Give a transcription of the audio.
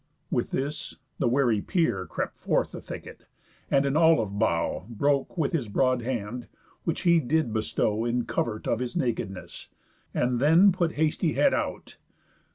With this, the wary peer Crept forth the thicket, and an olive bough Broke with his broad hand, which he did bestow In covert of his nakedness, and then Put hasty head out.